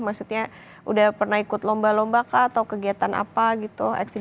maksudnya udah pernah ikut lomba lomba kah atau kegiatan apa gitu eksil